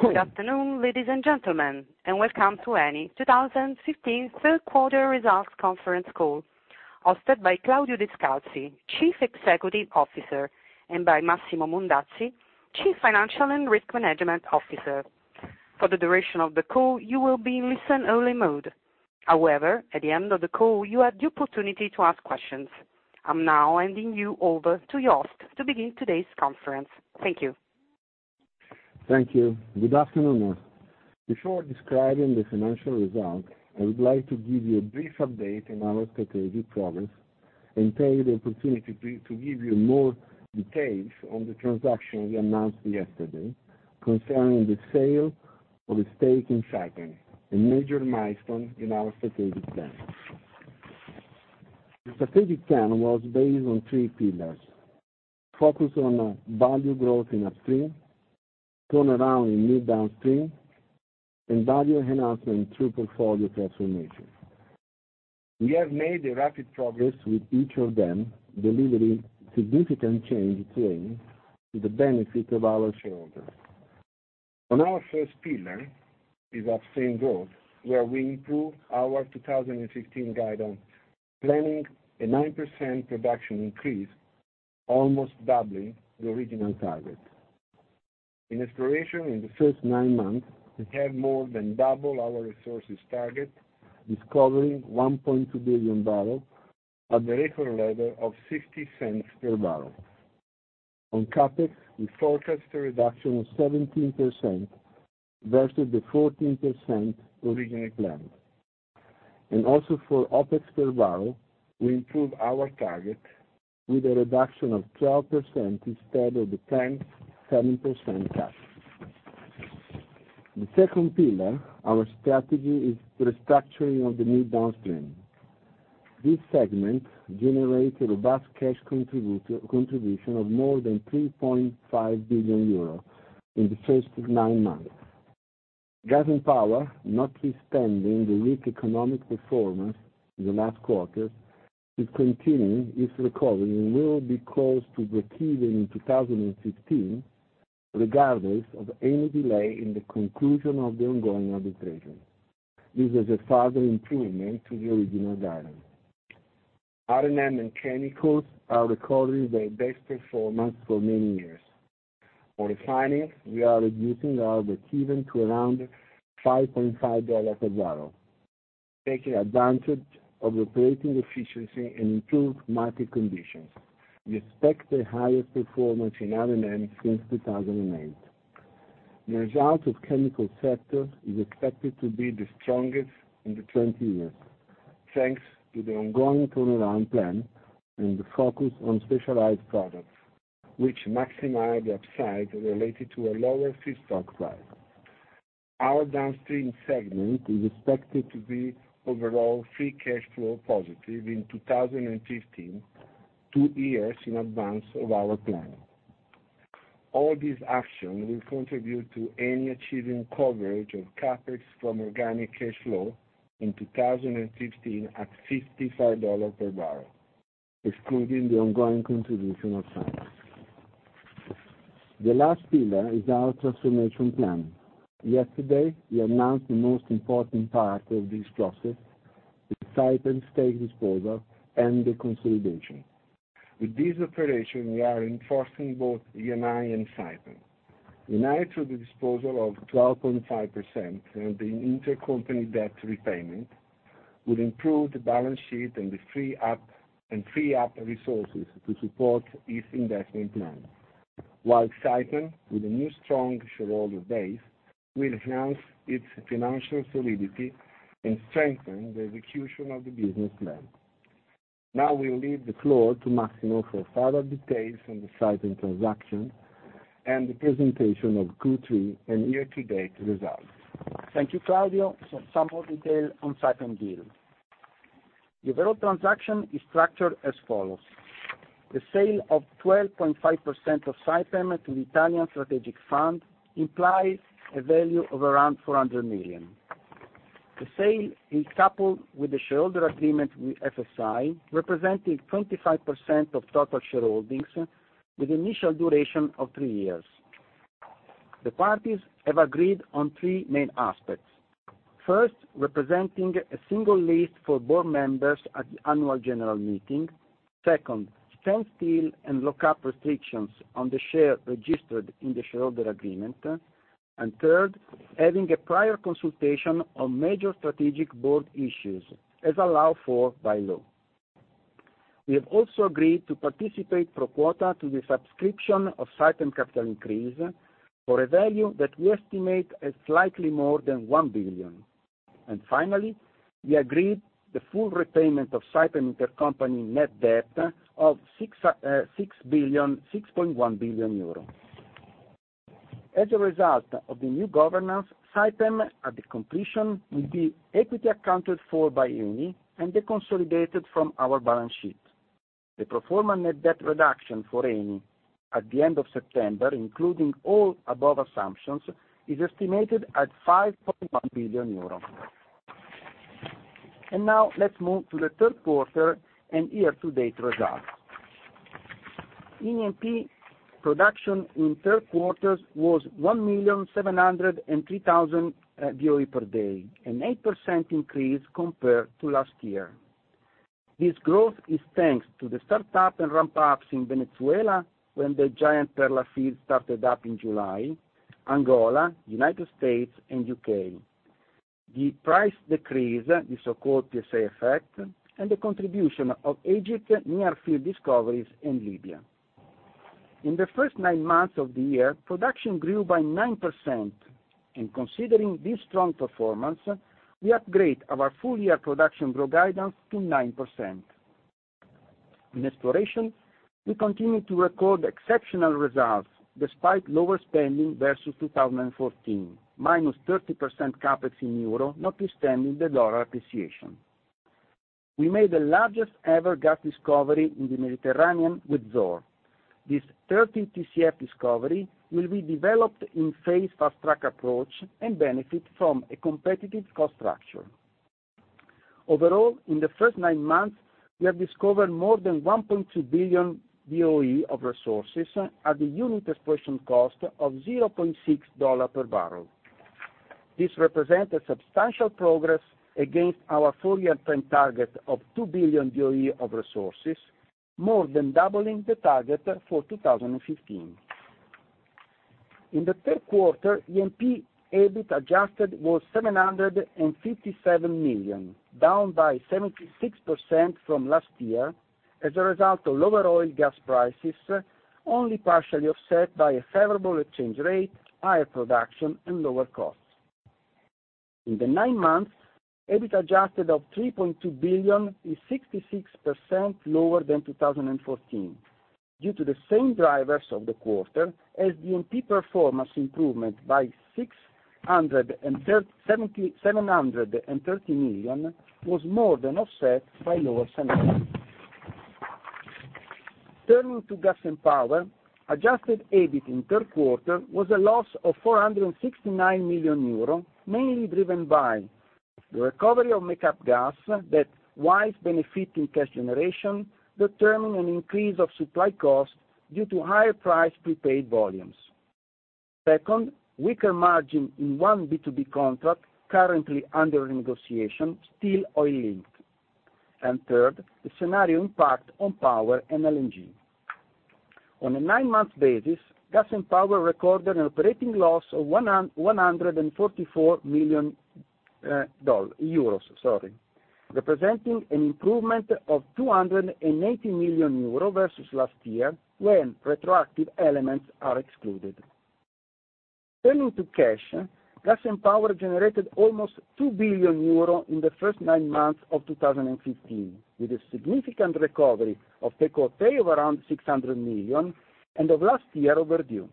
Good afternoon, ladies and gentlemen, welcome to Eni 2015 third quarter results conference call, hosted by Claudio Descalzi, Chief Executive Officer, and by Massimo Mondazzi, Chief Financial and Risk Management Officer. For the duration of the call, you will be in listen only mode. At the end of the call, you have the opportunity to ask questions. I am now handing you over to Jost to begin today's conference. Thank you. Thank you. Good afternoon, all. Before describing the financial results, I would like to give you a brief update on our strategic progress and take the opportunity to give you more details on the transaction we announced yesterday concerning the sale of a stake in Saipem, a major milestone in our strategic plan. The strategic plan was based on three pillars: Focus on value growth in upstream, turnaround in mid downstream, value enhancement through portfolio transformation. We have made a rapid progress with each of them, delivering significant change to Eni to the benefit of our shareholders. On our first pillar is upstream growth, where we improved our 2015 guidance, planning a 9% production increase, almost doubling the original target. In exploration in the first nine months, we have more than double our resources target, discovering 1.2 billion barrel at the referral level of $0.60 per barrel. On CapEx, we forecast a reduction of 17% versus the 14% originally planned. Also for OPEX per barrel, we improved our target with a reduction of 12% instead of the planned 7% cut. The second pillar of our strategy is restructuring of the mid downstream. This segment generate a robust cash contribution of more than 3.5 billion euros in the first nine months. Gas and power, notwithstanding the weak economic performance in the last quarters, is continuing its recovery and will be close to breakeven in 2015, regardless of any delay in the conclusion of the ongoing arbitration. This is a further improvement to the original guidance. R&M and chemicals are recording their best performance for many years. On refining, we are reducing our breakeven to around $5.5 per barrel, taking advantage of operating efficiency and improved market conditions. We expect the highest performance in R&M since 2008. The result of chemical sector is expected to be the strongest in the 20 years, thanks to the ongoing turnaround plan and the focus on specialized products, which maximize the upside related to a lower feedstock price. Our downstream segment is expected to be overall free cash flow positive in 2015, two years in advance of our plan. All these action will contribute to Eni achieving coverage of CapEx from organic cash flow in 2015 at $55 per barrel, excluding the ongoing contribution of Saipem. The last pillar is our transformation plan. Yesterday, we announced the most important part of this process, the Saipem stake disposal and the consolidation. With this operation, we are enforcing both Eni and Saipem. Eni, through the disposal of 12.5% and the intercompany debt repayment, will improve the balance sheet and free up resources to support its investment plan. While Saipem, with a new strong shareholder base, will enhance its financial solidity and strengthen the execution of the business plan. Now we will leave the floor to Massimo for further details on the Saipem transaction and the presentation of Q3 and year-to-date results. Thank you, Claudio. Some more detail on Saipem deal. The overall transaction is structured as follows. The sale of 12.5% of Saipem to the Italian Strategic Fund implies a value of around 400 million. The sale is coupled with the shareholder agreement with FSI, representing 25% of total shareholdings with initial duration of 3 years. The parties have agreed on three main aspects. First, representing a single list for board members at the annual general meeting. Second, standstill and lockup restrictions on the share registered in the shareholder agreement. Third, having a prior consultation on major strategic board issues as allowed for by law. We have also agreed to participate pro quota to the subscription of Saipem capital increase for a value that we estimate as slightly more than 1 billion. Finally, we agreed the full repayment of Saipem intercompany net debt of €6.1 billion. As a result of the new governance, Saipem, at the completion, will be equity accounted for by Eni and deconsolidated from our balance sheet. The pro forma net debt reduction for Eni at the end of September, including all above assumptions, is estimated at €5.1 billion. Now let's move to the third quarter and year-to-date results. Eni E&P production in third quarter was 1,703,000 BOE per day, an 8% increase compared to last year. This growth is thanks to the startup and ramp-ups in Venezuela, when the giant Perla field started up in July, Angola, U.S., and U.K. The price decrease, the so-called PSA effect, and the contribution of Egypt near field discoveries in Libya. In the first 9 months of the year, production grew by 9%. Considering this strong performance, we upgrade our full-year production growth guidance to 9%. In exploration, we continue to record exceptional results despite lower spending versus 2014, -30% CapEx in EUR, notwithstanding the USD appreciation. We made the largest ever gas discovery in the Mediterranean with Zohr. This 13 TCF discovery will be developed in phase fast-track approach and benefit from a competitive cost structure. Overall, in the first 9 months, we have discovered more than 1.2 billion BOE of resources at the unit exploration cost of $0.6 per barrel. This represent a substantial progress against our full-year plan target of 2 billion BOE of resources, more than doubling the target for 2015. In the third quarter, Eni E&P EBIT adjusted was 757 million, down by 76% from last year as a result of lower oil and gas prices, only partially offset by a favorable exchange rate, higher production, and lower costs. In the nine months, EBIT adjusted of 3.2 billion is 66% lower than 2014 due to the same drivers of the quarter as the Eni E&P performance improvement by 730 million was more than offset by lower scenarios. Turning to gas and power, adjusted EBIT in third quarter was a loss of 469 million euro, mainly driven by the recovery of make-up gas that, whilst benefiting cash generation, determine an increase of supply cost due to higher price prepaid volumes. Second, weaker margin in one B2B contract currently under negotiation, still oil linked. Third, the scenario impact on power and LNG. On a nine-month basis, gas and power recorded an operating loss of 144 million euros, representing an improvement of 280 million euros versus last year, when retroactive elements are excluded. Turning to cash, gas and power generated almost 2 billion euro in the first nine months of 2015, with a significant recovery of take-or-pay of around 600 million and of last year overdue.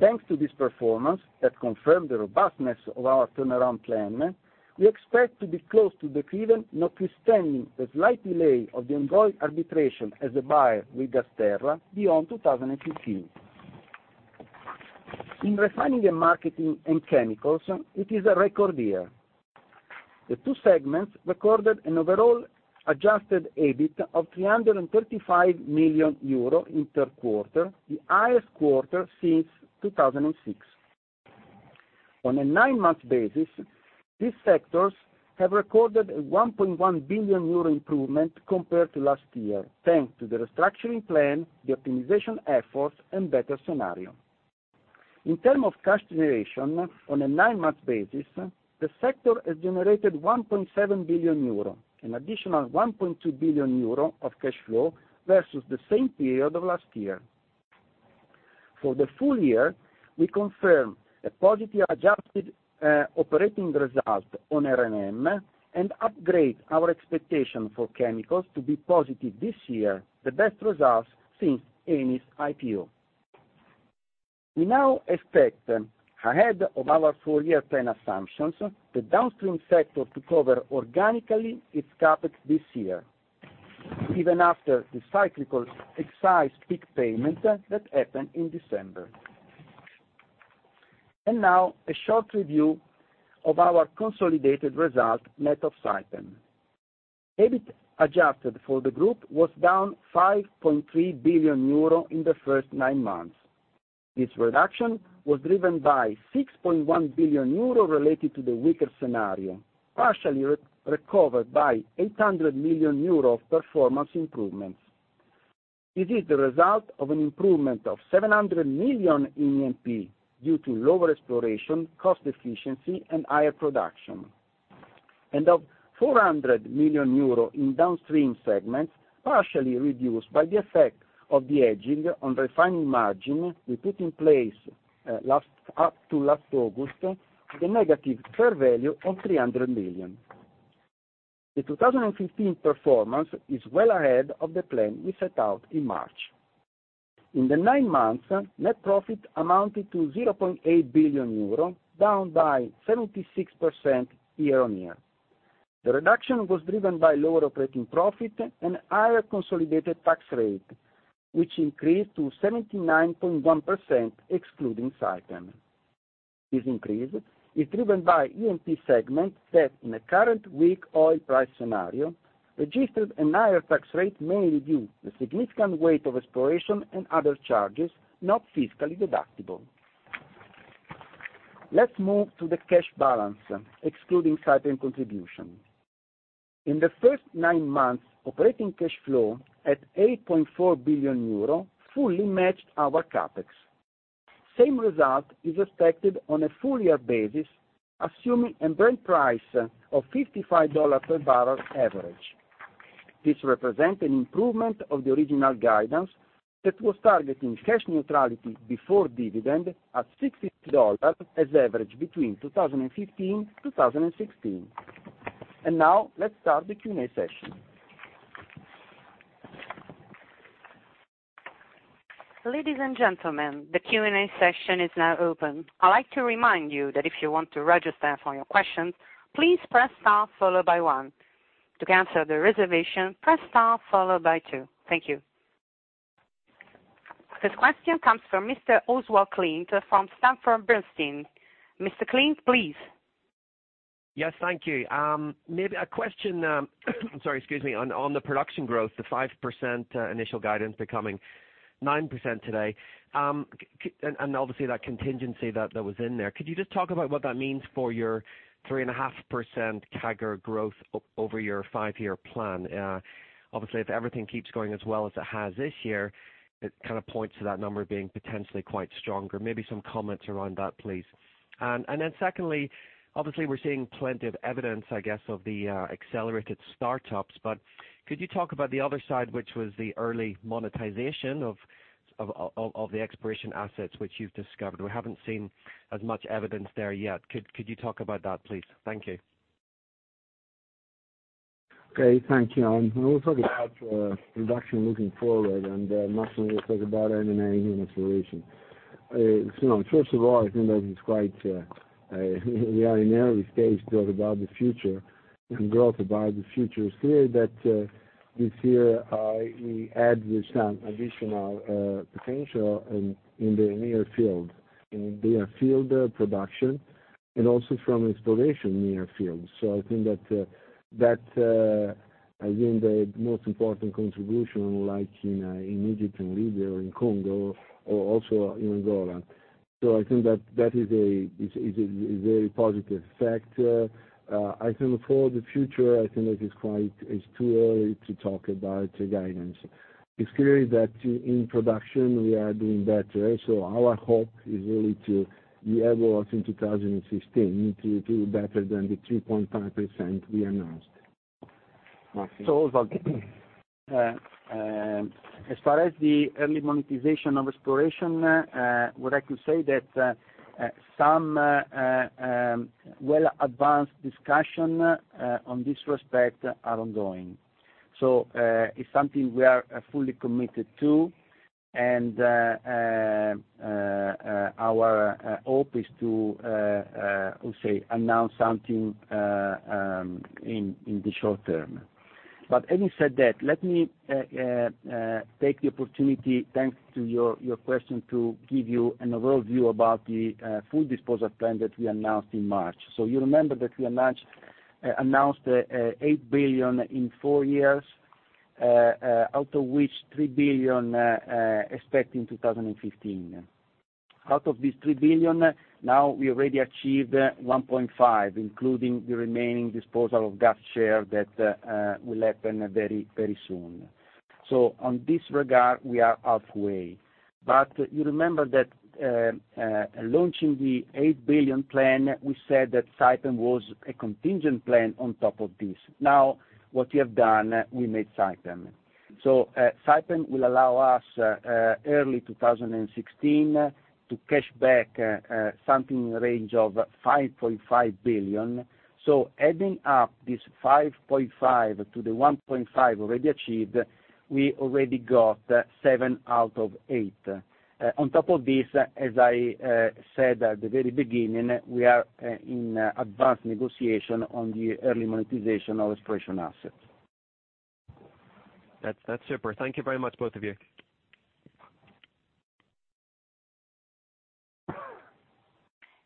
Thanks to this performance that confirmed the robustness of our turnaround plan, we expect to be close to the dividend, notwithstanding a slight delay of the ongoing arbitration as a buyer with GasTerra beyond 2015. In refining and marketing and chemicals, it is a record year. The two segments recorded an overall adjusted EBIT of 335 million euro in third quarter, the highest quarter since 2006. On a nine-month basis, these sectors have recorded a 1.1 billion euro improvement compared to last year, thanks to the restructuring plan, the optimization efforts, and better scenario. In terms of cash generation, on a nine-month basis, the sector has generated 1.7 billion euro, an additional 1.2 billion euro of cash flow versus the same period of last year. For the full year, we confirm a positive adjusted operating result on R&M and upgrade our expectation for chemicals to be positive this year, the best results since Eni's IPO. We now expect ahead of our full-year plan assumptions, the downstream sector to cover organically its CapEx this year, even after the cyclical excise peak payment that happened in December. Now a short review of our consolidated result, net of Saipem. EBIT adjusted for the group was down 5.3 billion euro in the first nine months. This reduction was driven by 6.1 billion euro related to the weaker scenario, partially recovered by 800 million euro of performance improvements. This is the result of an improvement of 700 million in Eni E&P due to lower exploration, cost efficiency, and higher production. Of 400 million euro in downstream segments, partially reduced by the effect of the hedging on refining margin we put in place up to last August, with a negative fair value of 300 million. The 2015 performance is well ahead of the plan we set out in March. In the nine months, net profit amounted to 0.8 billion euro, down by 76% year-on-year. The reduction was driven by lower operating profit and higher consolidated tax rate, which increased to 79.1%, excluding Saipem. This increase is driven by E&P segment that in the current weak oil price scenario, registered a higher tax rate mainly due to the significant weight of exploration and other charges not fiscally deductible. Let's move to the cash balance, excluding Saipem contribution. In the first nine months, operating cash flow at 8.4 billion euro fully matched our CapEx. Same result is expected on a full year basis, assuming a Brent price of $55 per barrel average. This represent an improvement of the original guidance that was targeting cash neutrality before dividend at $60 as average between 2015-2016. Let's start the Q&A session. Ladies and gentlemen, the Q&A session is now open. I'd like to remind you that if you want to register for your questions, please press star followed by one. To cancel the reservation, press star followed by two. Thank you. This question comes from Mr. Oswald Clint from Sanford C. Bernstein. Mr. Clint, please. Thank you. Maybe a question on the production growth, the 5% initial guidance becoming 9% today. Obviously, that contingency that was in there. Could you just talk about what that means for your 3.5% CAGR growth over your five-year plan? Obviously, if everything keeps going as well as it has this year, it points to that number being potentially quite stronger. Maybe some comments around that, please. Secondly, obviously, we're seeing plenty of evidence, I guess, of the accelerated startups, but could you talk about the other side, which was the early monetization of the exploration assets which you've discovered? We haven't seen as much evidence there yet. Could you talk about that, please? Thank you. Okay, thank you. We'll talk about production looking forward, and Massimo will talk about M&A and exploration. First of all, I think that we are in early stage to talk about the future and growth about the future. It's clear that this year we add some additional potential in the near field, in the field production, and also from exploration near fields. I think that has been the most important contribution, like in Egypt, in Libya, or in Congo, or also in Angola. I think that is a very positive factor. I think for the future, I think that it's too early to talk about guidance. It's clear that in production, we are doing better. Our hope is really to be able in 2016 to do better than the 3.5% we announced. Massimo? As far as the early monetization of exploration, what I could say that some well advanced discussion on this respect are ongoing. It's something we are fully committed to, and our hope is to announce something in the short term. Having said that, let me take the opportunity, thanks to your question, to give you an overview about the full disposal plan that we announced in March. You remember that we announced 8 billion in 4 years, out of which 3 billion expect in 2015. Out of these 3 billion, now we already achieved 1.5 billion, including the remaining disposal of Galp share that will happen very soon. On this regard, we are halfway. You remember that launching the 8 billion plan, we said that Saipem was a contingent plan on top of this. What we have done, we made Saipem. Saipem will allow us early 2016 to cash back something in range of 5.5 billion. Adding up this 5.5 billion to the 1.5 billion already achieved, we already got 7 out of 8. On top of this, as I said at the very beginning, we are in advanced negotiation on the early monetization of exploration assets. That's super. Thank you very much, both of you.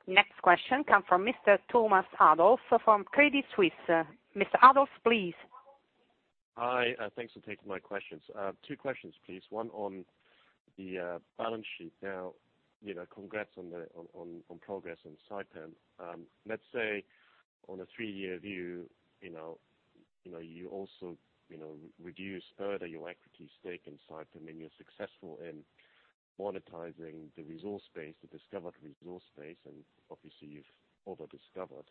Next question come from Mr. Thomas Adolff from Credit Suisse. Mr. Adolff, please. Hi, thanks for taking my questions. Two questions, please. One on the balance sheet. Now, congrats on progress on Saipem. On a 3-year view, you also reduce further your equity stake in Saipem, and you are successful in monetizing the resource base, the discovered resource base. Obviously, you have over discovered,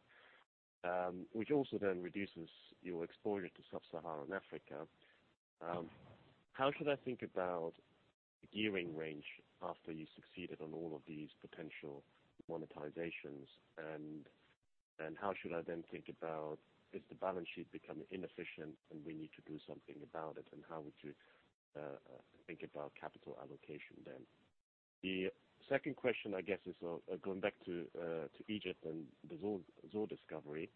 which also then reduces your exposure to Sub-Saharan Africa. How should I think about the gearing range after you succeeded on all of these potential monetizations? How should I then think about, is the balance sheet becoming inefficient, and we need to do something about it? How would you think about capital allocation then? The second question, I guess, is going back to Egypt and the Zohr discovery.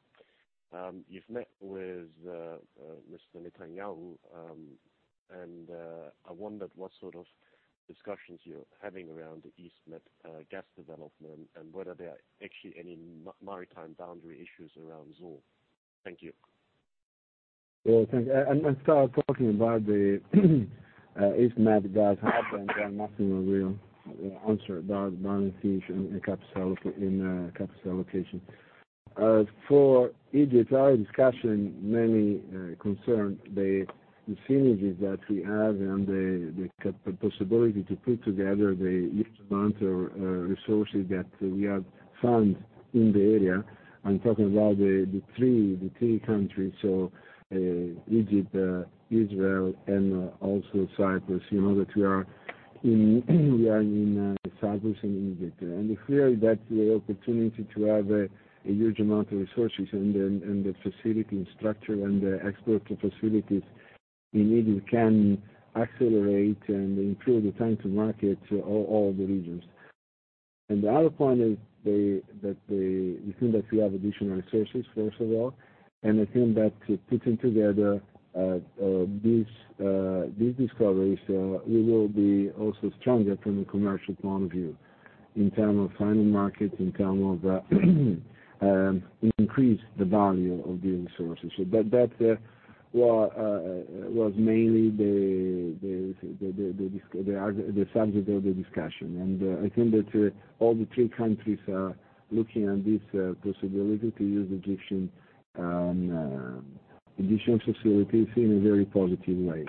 You have met with Mr. Netanyahu, and I wondered what sort of discussions you are having around the EastMed gas development and whether there are actually any maritime boundary issues around Zohr. Thank you. Well, thank you. I might start talking about the EastMed gas hub, and then Massimo will answer about balance sheet and the capital allocation. For Egypt, our discussion mainly concerned the synergies that we have and the possibility to put together the huge amount of resources that we have found in the area. I am talking about the three countries, so Egypt, Israel, and also Cyprus, that we are in Cyprus and Egypt. It is clear that the opportunity to have a huge amount of resources and the facility and structure and the export facilities in Egypt can accelerate and improve the time to market all the regions. The other point is that we think that we have additional resources, first of all, and I think that putting together these discoveries, we will be also stronger from a commercial point of view in terms of finding markets, in terms of increase the value of the resources. That was mainly the subject of the discussion. I think that all the three countries are looking at this possibility to use Egyptian facilities in a very positive way.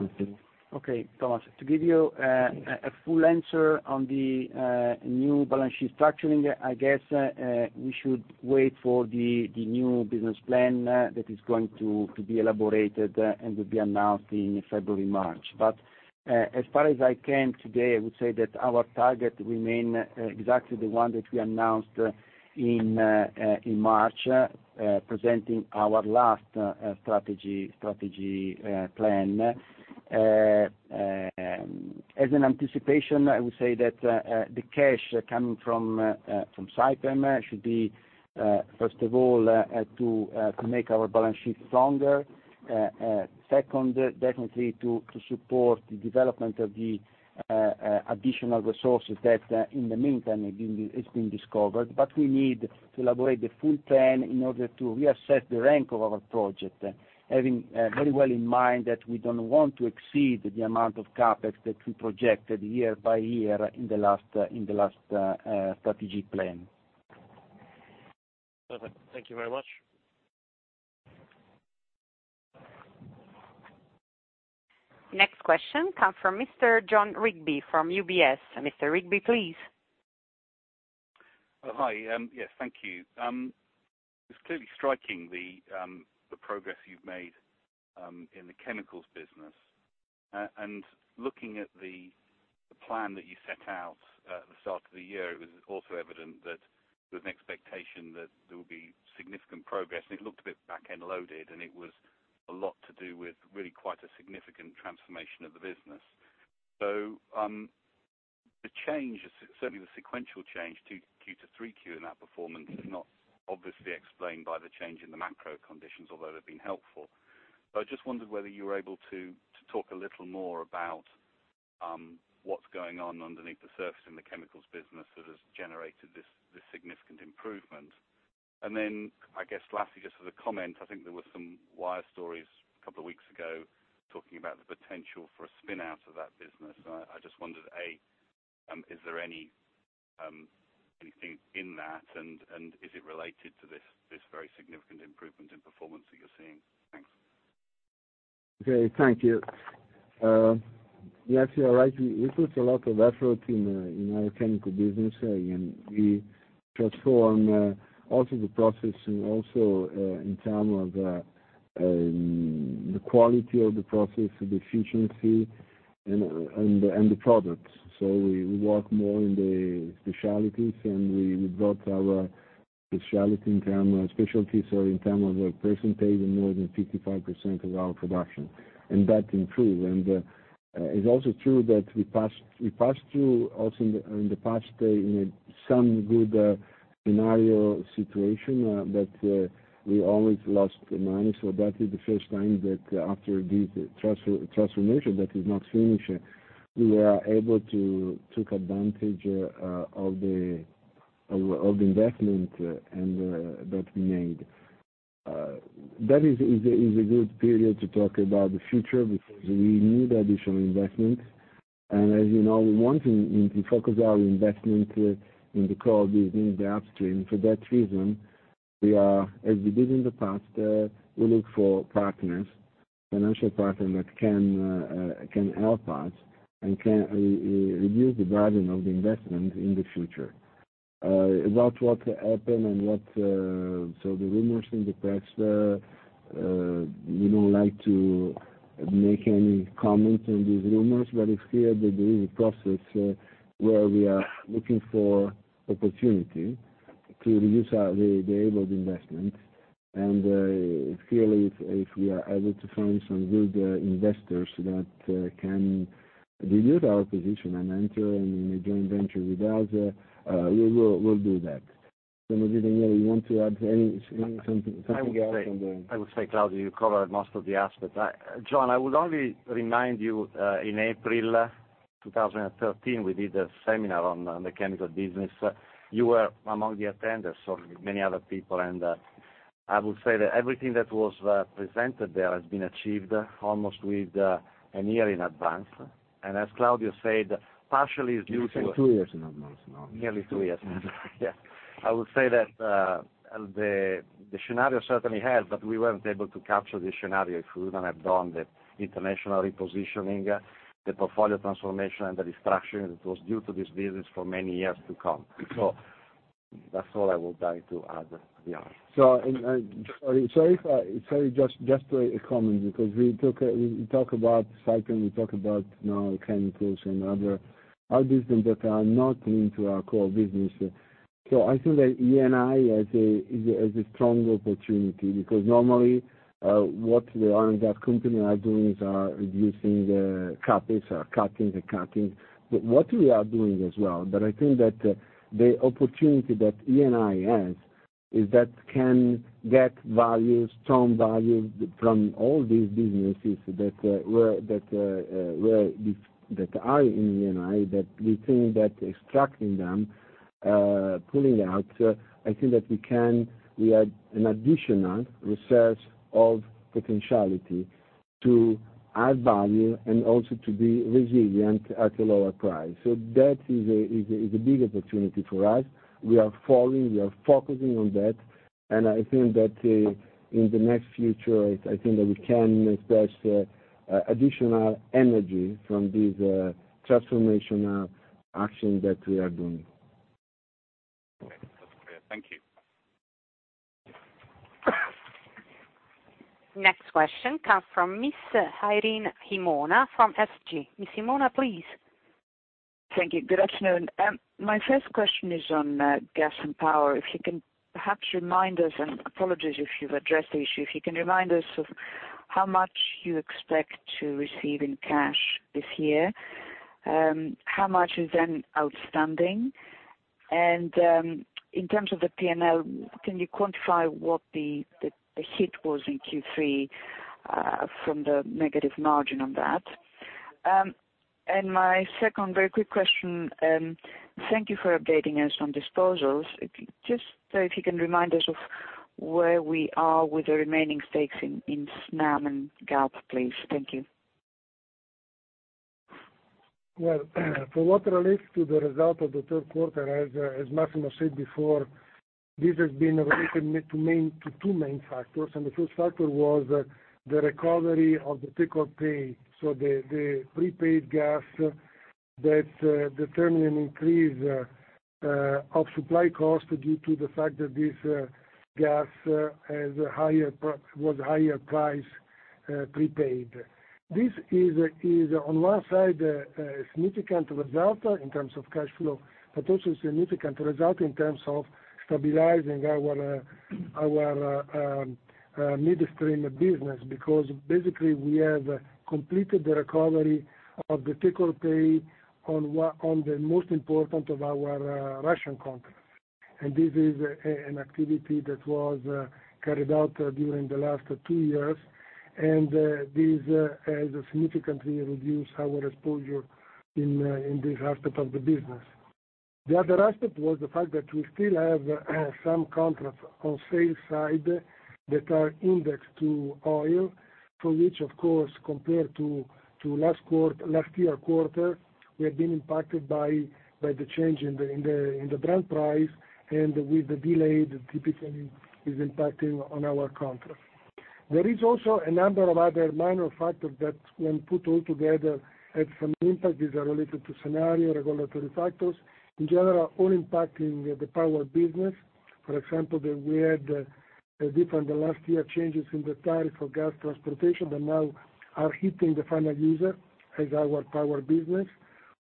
Massimo? Okay, Thomas, to give you a full answer on the new balance sheet structuring, I guess, we should wait for the new business plan that is going to be elaborated and will be announced in February, March. As far as I can today, I would say that our target remain exactly the one that we announced in March, presenting our last strategy plan. As an anticipation, I would say that the cash coming from Saipem should be, first of all, to make our balance sheet stronger. Second, definitely to support the development of the additional resources that in the meantime has been discovered. We need to elaborate the full plan in order to reassess the rank of our project, having very well in mind that we don't want to exceed the amount of CapEx that we projected year by year in the last strategic plan. Perfect. Thank you very much. Next question comes from Mr. Jon Rigby from UBS. Mr. Rigby, please. Hi. Yes, thank you. It's clearly striking the progress you've made in the chemicals business. Looking at the plan that you set out at the start of the year, it was also evident that there was an expectation that there would be significant progress, and it looked a bit back-end loaded, and it was a lot to do with really quite a significant transformation of the business. The change, certainly the sequential change, 2Q to 3Q in that performance is not obviously explained by the change in the macro conditions, although they've been helpful. I just wondered whether you were able to talk a little more about what's going on underneath the surface in the chemicals business that has generated this significant improvement. I guess lastly, just as a comment, I think there were some wire stories 2 weeks ago talking about the potential for a spin-out of that business. I just wondered, A, is there anything in that, and is it related to this very significant improvement in performance that you're seeing? Thanks. Okay. Thank you. You actually are right. We put a lot of effort in our chemical business, we transform also the processing, also in terms of the quality of the process, the efficiency, and the products. We work more in the specialties, we brought our specialties in terms of representing more than 55% of our production. That improved. It's also true that we passed through, also in the past, some good scenario situation, but we always lost money. That is the first time that after this transformation, that is not finished, we are able to take advantage of the investment that we made. That is a good period to talk about the future because we need additional investment. As you know, we want to focus our investment in the core business, the upstream. For that reason, as we did in the past, we look for partners, financial partners that can help us, can reduce the burden of the investment in the future. About what happened and the rumors in the press, we don't like to make any comment on these rumors, it's clear that there is a process where we are looking for opportunity to reduce the aim of the investment. Clearly, if we are able to find some good investors that can Reduce our position and enter in a joint venture with others. We will do that. Massimo, you want to add anything? Something else on the- I would say, Claudio, you covered most of the aspects. Jon, I would only remind you, in April 2013, we did a seminar on the chemical business. You were among the attendees, so many other people, and I would say that everything that was presented there has been achieved almost with a year in advance. As Claudio said, partially is due to- Two years in advance now. Nearly two years. Yeah. I would say that the scenario certainly has, we weren't able to capture the scenario if we wouldn't have done the international repositioning, the portfolio transformation, and the destruction that was due to this business for many years to come. That's all I would like to add to the answer. If I Sorry, just a comment because we talk about Saipem, we talk about now chemicals and other business that are not linked to our core business. I think that Eni has a strong opportunity because normally what the other companies are doing is reducing the CapEx, are cutting. What we are doing as well, but I think that the opportunity that Eni has is that it can get value, strong value, from all these businesses that are in Eni, that we think that extracting them, pulling out, I think that we add an additional research of potentiality to add value and also to be resilient at a lower price. That is a big opportunity for us. We are following, we are focusing on that, I think that in the near future, I think that we can express additional energy from this transformational action that we are doing. Okay. That's clear. Thank you. Next question comes from Ms. Irene Himona from SG. Ms. Himona, please. Thank you. Good afternoon. My first question is on gas and power. If you can perhaps remind us, apologies if you've addressed the issue, if you can remind us of how much you expect to receive in cash this year. How much is then outstanding? In terms of the P&L, can you quantify what the hit was in Q3 from the negative margin on that? My second very quick question, thank you for updating us on disposals. Just so if you can remind us of where we are with the remaining stakes in Snam and Galp, please. Thank you. Well, for what relates to the result of the third quarter, as Massimo said before, this has been related to two main factors. The first factor was the recovery of the take-or-pay, so the prepaid gas that determined an increase of supply cost due to the fact that this gas was higher price prepaid. This is, on one side, a significant result in terms of cash flow, but also a significant result in terms of stabilizing our midstream business, because basically we have completed the recovery of the take-or-pay on the most important of our Russian contracts. This is an activity that was carried out during the last two years, and this has significantly reduced our exposure in this aspect of the business. The other aspect was the fact that we still have some contracts on sales side that are indexed to oil, for which, of course, compared to last year quarter, we have been impacted by the change in the Brent price and with the delay that typically is impacting on our contract. There is also a number of other minor factors that, when put all together, had some impact. These are related to scenario, regulatory factors. In general, all impacting the power business. For example, we had different, than last year, changes in the tariff for gas transportation that now are hitting the final user as our power business.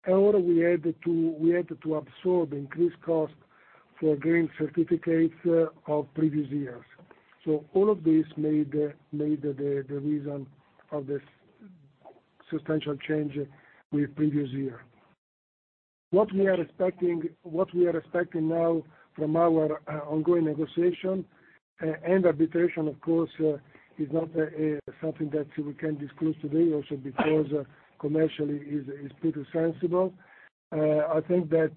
However, we had to absorb increased cost for green certificates of previous years. All of this made the reason of this substantial change with previous year. What we are expecting now from our ongoing negotiation and arbitration, of course, is not something that we can disclose today, also because commercially it is pretty sensible. I think that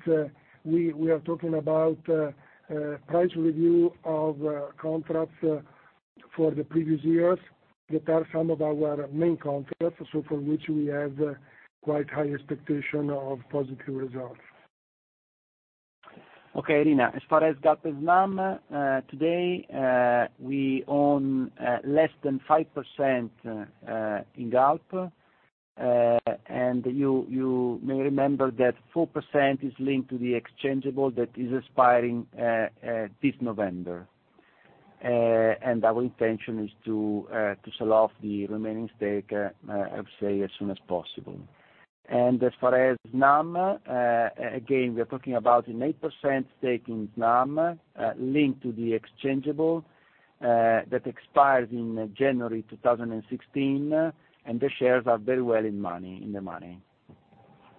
we are talking about price review of contracts for the previous years that are some of our main contracts, so for which we have quite high expectation of positive results. Okay, Irene. As far as Galp, Snam, today, we own less than 5% in Galp. You may remember that 4% is linked to the exchangeable that is expiring this November. Our intention is to sell off the remaining stake, I would say, as soon as possible. As far as Snam, again, we are talking about an 8% stake in Snam, linked to the exchangeable that expires in January 2016, and the shares are very well in the money.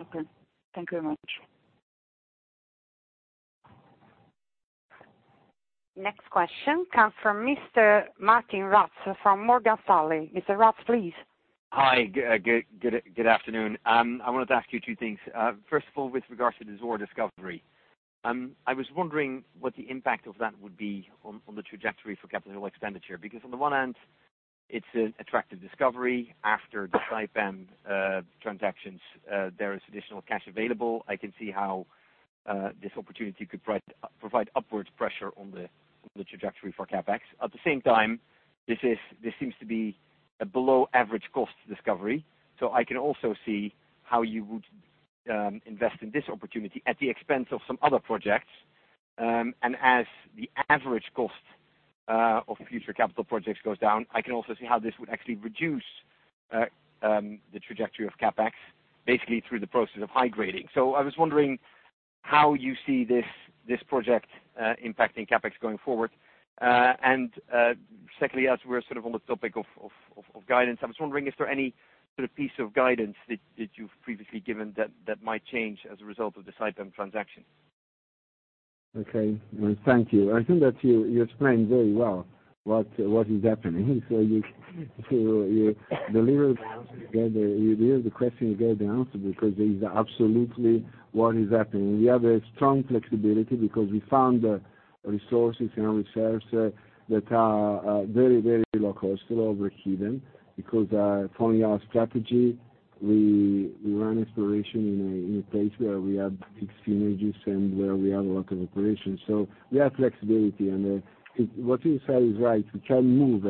Okay. Thank you very much. Next question comes from Mr. Martijn Rats from Morgan Stanley. Mr. Rats, please. Hi, good afternoon. I wanted to ask you two things. First of all, with regards to Zohr discovery. I was wondering what the impact of that would be on the trajectory for capital expenditure. On the one hand, it's an attractive discovery. After the Saipem transactions, there is additional cash available. I can see how this opportunity could provide upwards pressure on the trajectory for CapEx. At the same time, this seems to be a below average cost discovery, so I can also see how you would invest in this opportunity at the expense of some other projects. As the average cost of future capital projects goes down, I can also see how this would actually reduce the trajectory of CapEx, basically through the process of high grading. I was wondering how you see this project impacting CapEx going forward. Secondly, as we're sort of on the topic of guidance, I was wondering, is there any sort of piece of guidance that you've previously given that might change as a result of the Saipem transaction? Okay. Thank you. I think that you explained very well what is happening. You delivered the question, you get the answer, because this is absolutely what is happening. We have a strong flexibility because we found resources and reserves that are very low cost, still overheating, because following our strategy, we run exploration in a place where we have big synergies and where we have a lot of operations. We have flexibility, and what you said is right. We can move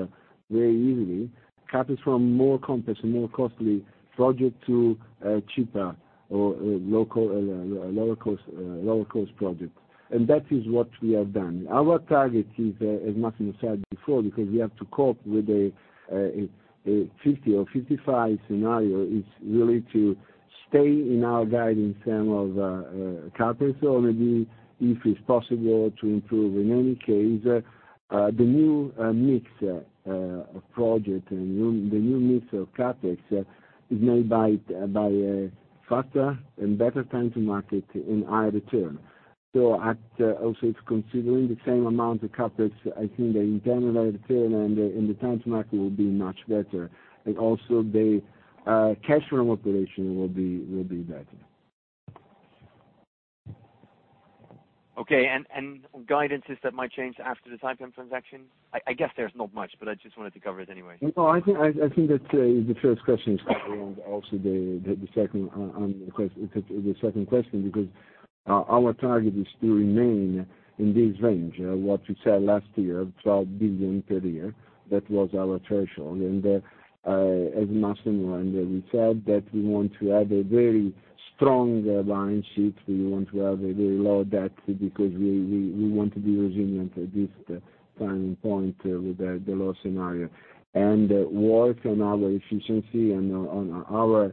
very easily CapEx from more complex and more costly project to a cheaper or lower cost project. That is what we have done. Our target is, as Massimo said before, because we have to cope with a $50 or $55 scenario, is really to stay in our guidance in terms of CapEx or maybe if it's possible to improve. In any case, the new mix of project and the new mix of CapEx is made by faster and better time to market in higher return. Also it's considering the same amount of CapEx, I think the internal rate of return and the time to market will be much better, and also the cash from operation will be better. Okay. Guidances that might change after the Saipem transaction? I guess there's not much, but I just wanted to cover it anyway. No, I think that the first question is covered, and also the second question, because our target is to remain in this range of what we said last year, 12 billion per year. That was our threshold. As Massimo and we said that we want to have a very strong balance sheet. We want to have a very low debt because we want to be resilient at this time and point with the low scenario. Work on our efficiency and on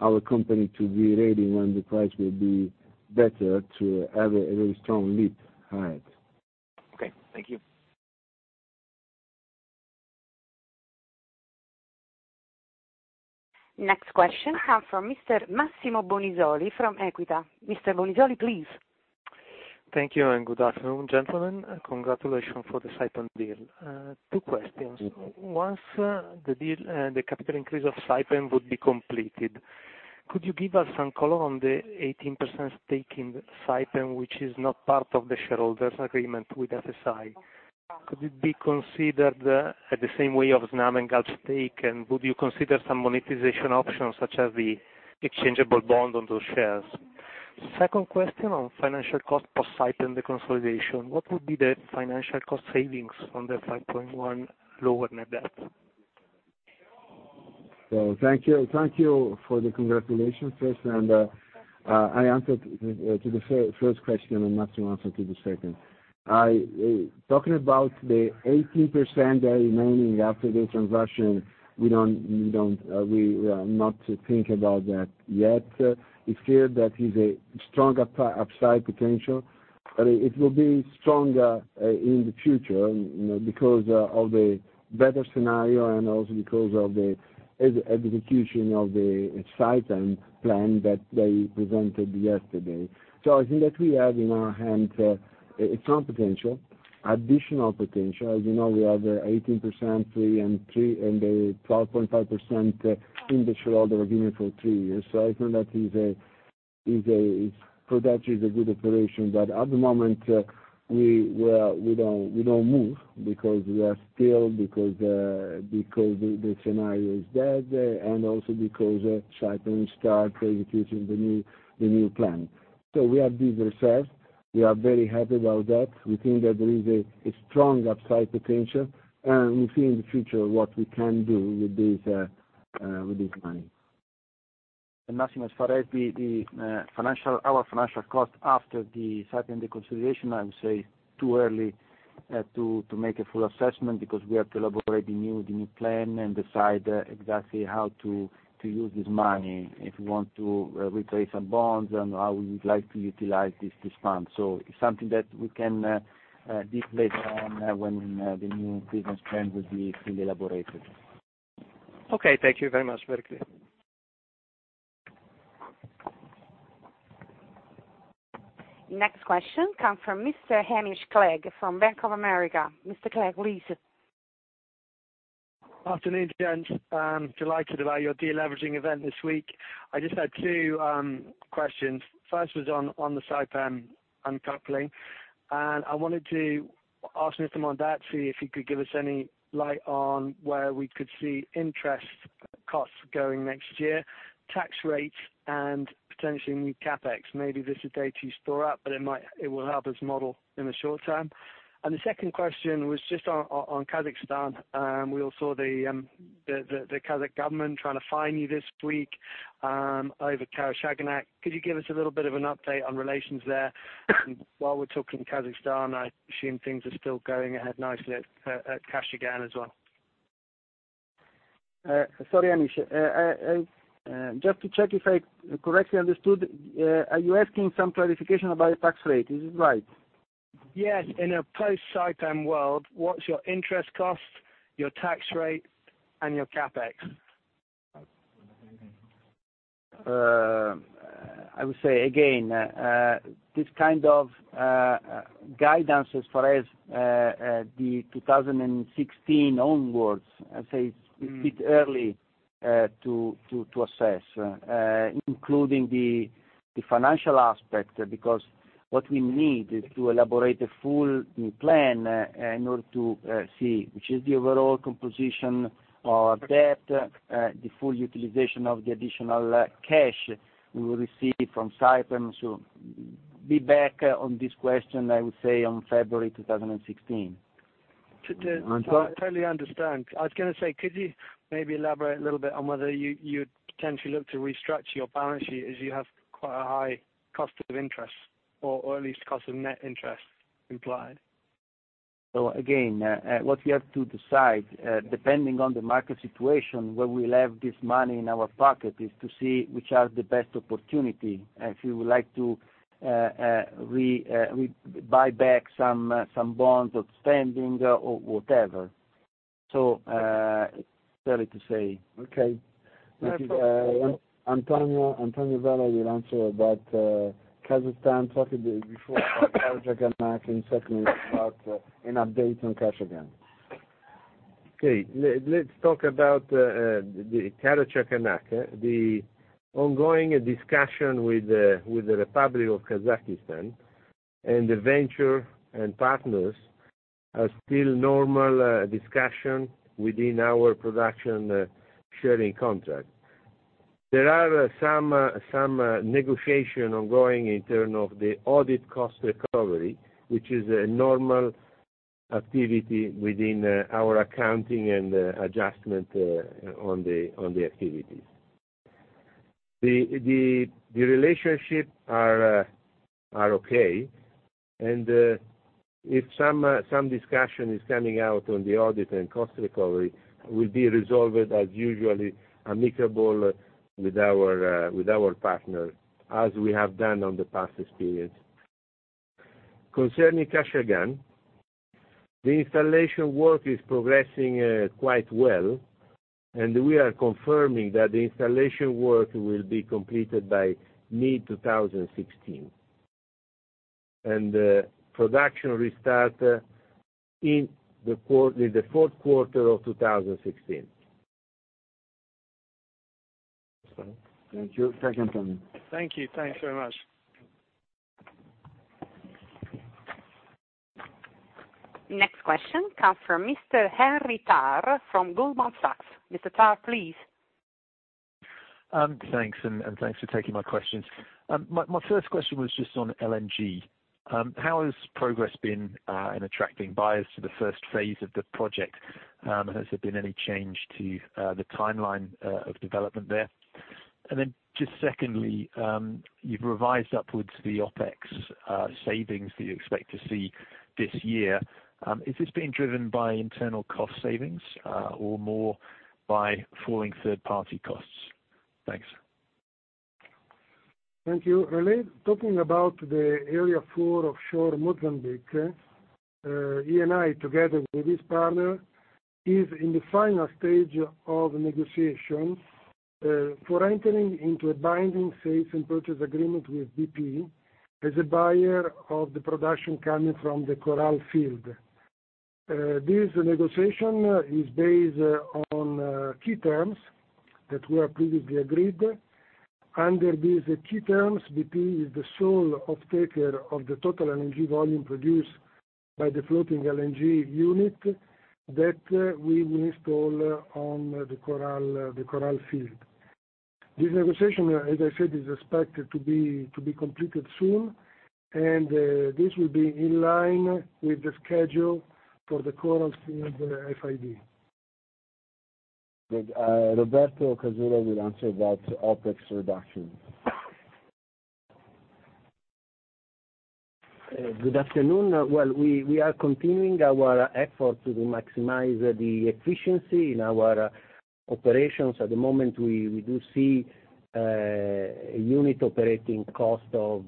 our company to be ready when the price will be better to have a very strong leap ahead. Okay. Thank you. Next question comes from Mr. Massimo Bonisoli from Equita. Mr. Bonisoli, please. Thank you, and good afternoon, gentlemen. Congratulations for the Saipem deal. Two questions. Once the capital increase of Saipem would be completed, could you give us some color on the 18% stake in Saipem which is not part of the shareholders' agreement with FSI? Could it be considered at the same way of Snam and Galp stake, and would you consider some monetization options such as the exchangeable bond on those shares? Second question on financial cost post Saipem deconsolidation. What would be the financial cost savings on the 5.1 lower net debt? Thank you for the congratulations first, and I answered to the first question, and Massimo answered to the second. Talking about the 18% remaining after the transaction, we are not thinking about that yet. It's clear that it's a strong upside potential, but it will be stronger in the future because of the better scenario and also because of the execution of the Saipem plan that they presented yesterday. I think that we have in our hand some potential, additional potential. As you know, we have 18%, 3% and 12.5% in the shareholders agreement for 3 years. I think that for that is a good operation. At the moment, we don't move because we are still, because the scenario is that, and also because Saipem start executing the new plan. We have these reserves. We are very happy about that. We think that there is a strong upside potential. We'll see in the future what we can do with this money. Massimo, as far as our financial cost after the Saipem deconsolidation, I would say too early to make a full assessment because we have to elaborate the new plan and decide exactly how to use this money. If we want to replace some bonds and how we would like to utilize this fund. It's something that we can discuss later on when the new business plan will be fully elaborated. Okay, thank you very much. Very clear. Next question come from Mr. Hamish Clegg from Bank of America. Mr. Clegg, please. Afternoon, gents. I'm delighted about your de-leveraging event this week. I just had two questions. First was on the Saipem uncoupling. I wanted to ask Mr. Mondazzi if he could give us any light on where we could see interest costs going next year, tax rates, and potentially new CapEx. Maybe this is data you store up, but it will help us model in the short term. The second question was just on Kazakhstan. We all saw the Kazakh government trying to fine you this week over Karachaganak. Could you give us a little bit of an update on relations there? While we're talking Kazakhstan, I assume things are still going ahead nicely at Kashagan as well. Sorry, Hamish. Just to check if I correctly understood, are you asking some clarification about tax rate? Is this right? Yes. In a post Saipem world, what's your interest cost, your tax rate, and your CapEx? I would say, again, this kind of guidance as far as the 2016 onwards, I'd say it's a bit early to assess, including the financial aspect, because what we need is to elaborate a full plan in order to see which is the overall composition of debt, the full utilization of the additional cash we will receive from Saipem. Be back on this question, I would say, on February 2016. I totally understand. I was going to say, could you maybe elaborate a little bit on whether you'd potentially look to restructure your balance sheet as you have quite a high cost of interest, or at least cost of net interest implied? Again, what we have to decide, depending on the market situation, when we'll have this money in our pocket, is to see which are the best opportunity. If you would like to buy back some bonds outstanding or whatever. It's early to say. Okay. Antonio Vella will answer about Kazakhstan, talking before about Karachaganak, and secondly, about an update on Kashagan. Okay. Let's talk about the Karachaganak. The ongoing discussion with the Republic of Kazakhstan and the venture and partners are still normal discussion within our production sharing contract. There are some negotiation ongoing in term of the audit cost recovery, which is a normal activity within our accounting and adjustment on the activities. The relationship are okay, and if some discussion is coming out on the audit and cost recovery, will be resolved as usually amicable with our partner, as we have done on the past experience. Concerning Kashagan, the installation work is progressing quite well, and we are confirming that the installation work will be completed by mid-2016. Production restart in the fourth quarter of 2016. Thank you. Back Antonio. Thank you. Thanks very much. Next question comes from Mr. Henry Tarr from Goldman Sachs. Mr. Tarr, please. Thanks for taking my questions. My first question was just on LNG. How has progress been in attracting buyers to the first phase of the project? Just secondly, you've revised upwards the OpEx savings that you expect to see this year. Is this being driven by internal cost savings or more by falling third-party costs? Thanks. Thank you. Really talking about the Area 4 offshore Mozambique, Eni together with this partner, is in the final stage of negotiation for entering into a binding sale and purchase agreement with BP as a buyer of the production coming from the Coral field. This negotiation is based on key terms that were previously agreed. Under these key terms, BP is the sole off taker of the total LNG volume produced by the floating LNG unit that we will install on the Coral field. This negotiation, as I said, is expected to be completed soon. This will be in line with the schedule for the Coral field FID. Roberto Casula will answer about OpEx reduction. Good afternoon. Well, we are continuing our effort to maximize the efficiency in our operations. At the moment, we do see a unit operating cost of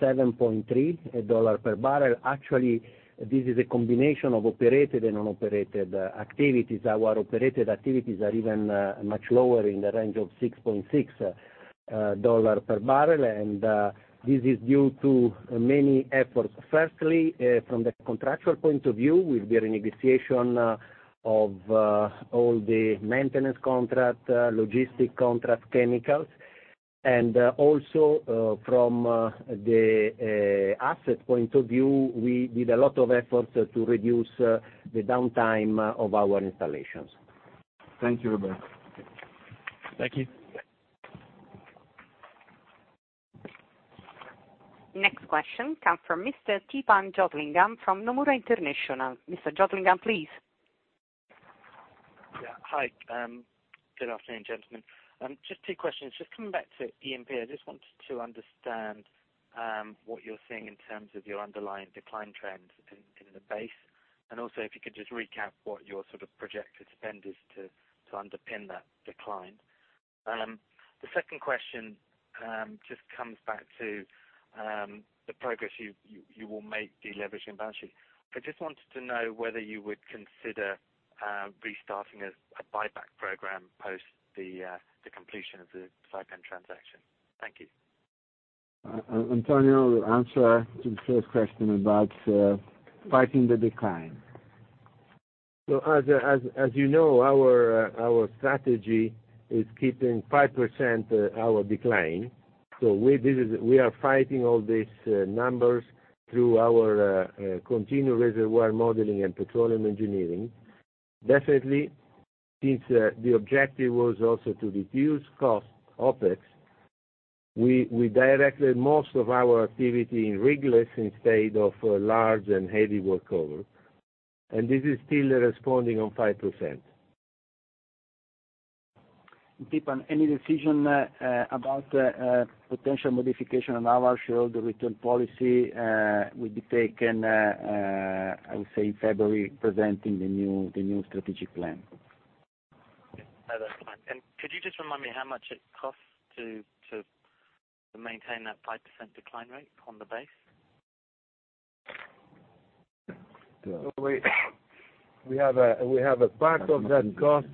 $7.3 per barrel. Actually, this is a combination of operated and non-operated activities. Our operated activities are even much lower in the range of $6.6 per barrel, and this is due to many efforts. Firstly, from the contractual point of view, with the renegotiation of all the maintenance contract, logistic contract, chemicals, and also from the asset point of view, we did a lot of efforts to reduce the downtime of our installations. Thank you, Roberto. Thank you. Next question comes from Mr. Theepan Jothilingam from Nomura International. Mr. Jothilingam, please. Yeah. Hi. Good afternoon, gentlemen. Just two questions. Just coming back to E&P, I just wanted to understand what you're seeing in terms of your underlying decline trends in the base, and also if you could just recap what your projected spend is to underpin that decline. The second question just comes back to the progress you will make deleveraging the balance sheet. I just wanted to know whether you would consider restarting a buyback program post the completion of the Saipem transaction. Thank you. Antonio will answer to the first question about fighting the decline. As you know, our strategy is keeping 5% our decline. We are fighting all these numbers through our continued reservoir modeling and petroleum engineering. Definitely, since the objective was also to reduce cost OPEX, we directed most of our activity in rigless instead of large and heavy workover, and this is still responding on 5%. Theepan, any decision about potential modification on our share return policy will be taken, I would say February, presenting the new strategic plan. Okay. No, that's fine. Could you just remind me how much it costs to maintain that 5% decline rate on the base? We have a part of that cost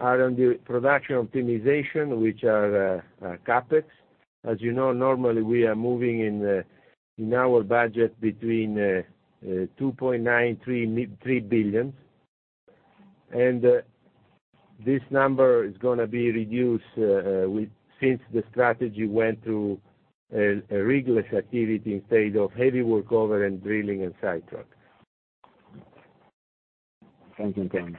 are on the production optimization, which are CapEx. As you know, normally we are moving in our budget between 2.9 billion, 3 billion. This number is going to be reduced since the strategy went to a rigless activity instead of heavy workover and drilling and sidetrack. Thank you, Tony.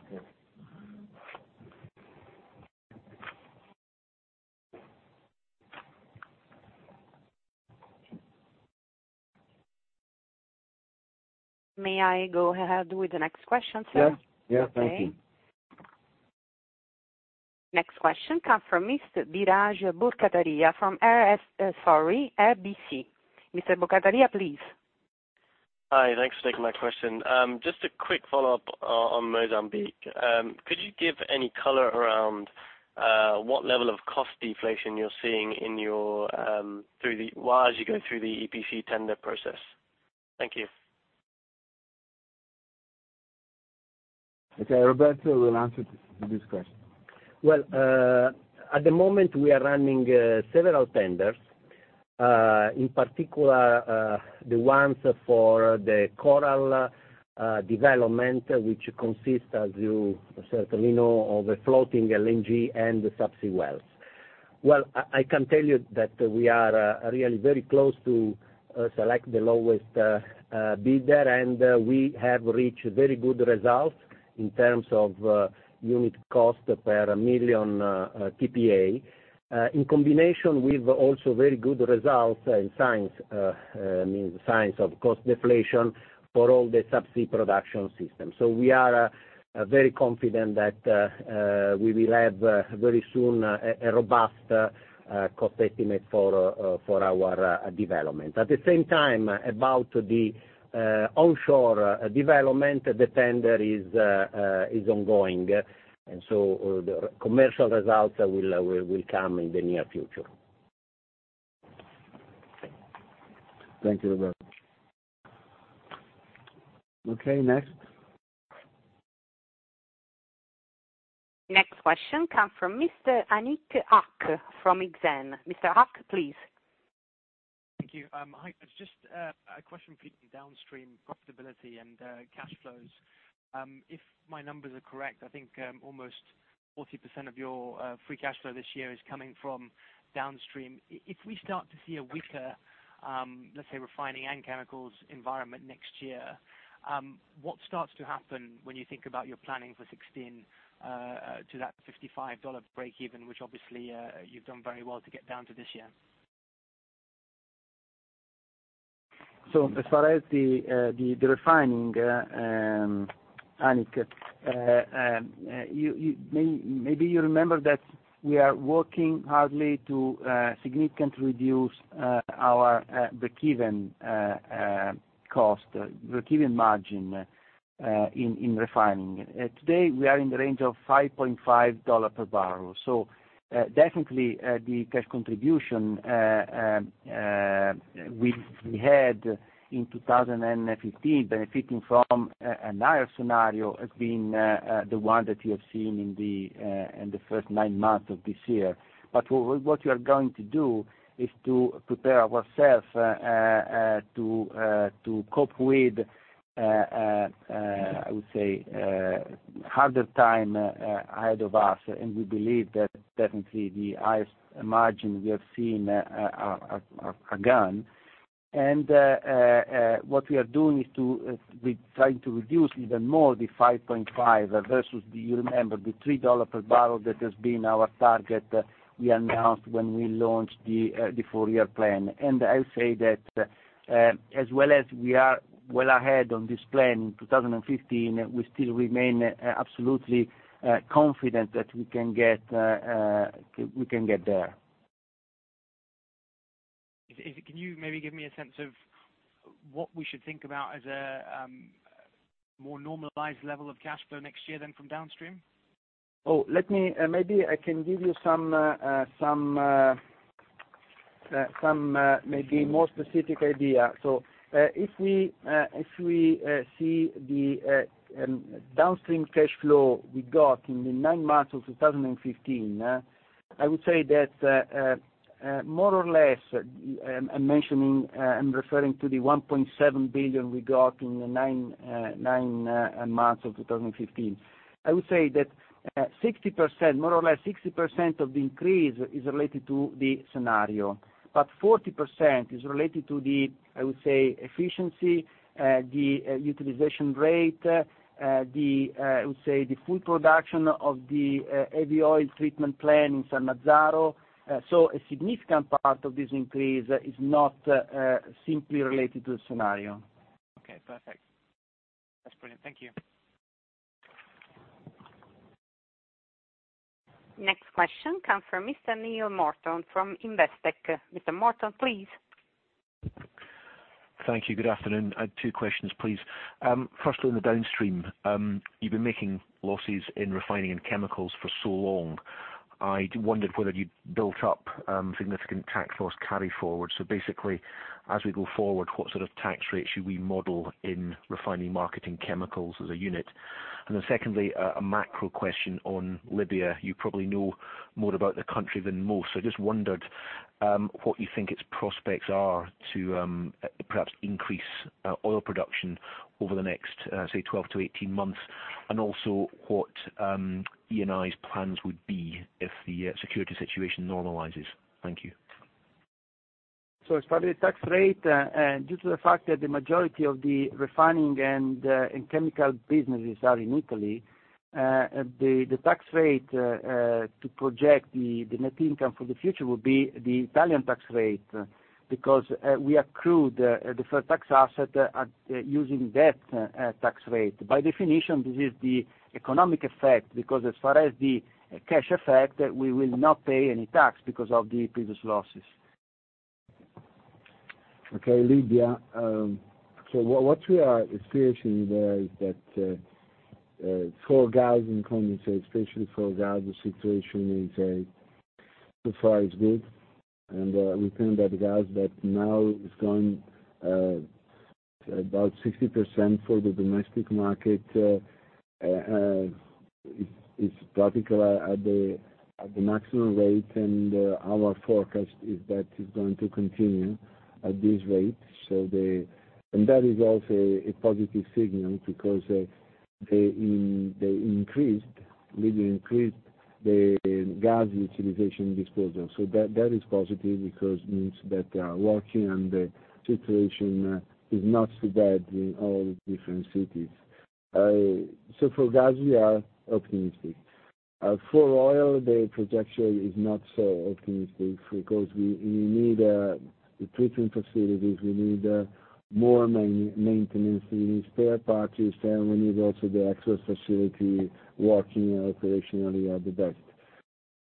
May I go ahead with the next question, sir? Yes. Thank you. Okay. Next question comes from Mr. Biraj Borkhataria from RBC. Mr. Borkhataria, please. Hi, thanks for taking my question. Just a quick follow-up on Mozambique. Could you give any color around what level of cost deflation you're seeing as you go through the EPC tender process? Thank you. Okay. Roberto will answer this question. Well, at the moment, we are running several tenders. In particular, the ones for the Coral development, which consist, as you certainly know, of a floating LNG and subsea wells. Well, I can tell you that we are really very close to select the lowest bidder, and we have reached very good results in terms of unit cost per million MTPA. In combination with also very good results in signs of cost deflation for all the subsea production system. We are very confident that we will have, very soon, a robust cost estimate for our development. At the same time, about the onshore development, the tender is ongoing, the commercial results will come in the near future. Thank you, Roberto. Okay, next. Next question comes from Mr. Aneek Haq from Exane. Mr. Haq, please. Thank you. Hi. It's just a question for you downstream profitability and cash flows. If my numbers are correct, I think almost 40% of your free cash flow this year is coming from downstream. If we start to see a weaker, let's say, refining and chemicals environment next year, what starts to happen when you think about your planning for 2016 to that $55 breakeven, which obviously, you've done very well to get down to this year? As far as the refining Aneek, maybe you remember that we are working hardly to significantly reduce the given cost, the given margin in refining. Today, we are in the range of $5.5 per barrel. Definitely, the cash contribution we had in 2015, benefiting from a higher scenario, has been the one that you have seen in the first nine months of this year. What we are going to do is to prepare ourselves to cope with, I would say, harder times ahead of us, and we believe that definitely the highest margin we have seen are gone. What we are doing is we try to reduce even more the 5.5 versus, you remember, the $3 per barrel that has been our target we announced when we launched the four-year plan. I will say that, as well as we are well ahead on this plan in 2015, we still remain absolutely confident that we can get there. Can you maybe give me a sense of what we should think about as a more normalized level of cash flow next year, then, from downstream? Maybe I can give you some maybe more specific idea. If we see the downstream cash flow we got in the nine months of 2015, I would say that more or less, I'm referring to the 1.7 billion we got in the nine months of 2015. I would say that more or less 60% of the increase is related to the scenario, 40% is related to the, I would say, efficiency, the utilization rate, I would say, the full production of the heavy oil treatment plant in Sannazzaro. A significant part of this increase is not simply related to the scenario. Okay, perfect. That's brilliant. Thank you. Next question comes from Mr. Neill Morton from Investec. Mr. Morton, please. Thank you. Good afternoon. I have two questions, please. Firstly, on the downstream, you've been making losses in refining and chemicals for so long, I wondered whether you'd built up significant tax loss carry forward. Basically, as we go forward, what sort of tax rate should we model in refining, marketing, chemicals as a unit? Secondly, a macro question on Libya. You probably know more about the country than most. I just wondered what you think its prospects are to perhaps increase oil production over the next, say, 12 to 18 months? Also what Eni's plans would be if the security situation normalizes. Thank you. As far as the tax rate, due to the fact that the majority of the refining and chemical businesses are in Italy, the tax rate to project the net income for the future will be the Italian tax rate because we accrued the deferred tax asset using that tax rate. By definition, this is the economic effect because as far as the cash effect, we will not pay any tax because of the previous losses. Okay, Libya. What we are experiencing there is that for gas in Mellitah, especially for gas, the situation so far is good. We think that gas that now is going about 60% for the domestic market, is practically at the maximum rate, and our forecast is that it's going to continue at this rate. That is also a positive signal because Libya increased the gas utilization disposal. That is positive because it means that they are working and the situation is not so bad in all the different cities. For gas, we are optimistic. For oil, the projection is not so optimistic because we need the treatment facilities. We need more maintenance. We need spare parts, and we need also the actual facility working operationally at the best.